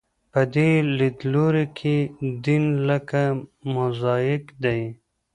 په دې لیدلوري کې دین لکه موزاییک دی.